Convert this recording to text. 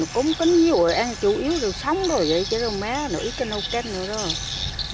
rau má không có nhiều rồi ăn chủ yếu rồi sống rồi vậy chứ rau má nó ít cái nâu kết nữa rồi